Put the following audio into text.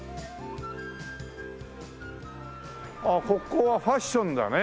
ここはファッションだね。